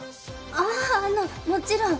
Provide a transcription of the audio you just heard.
ああのもちろん。